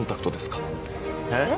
えっ！？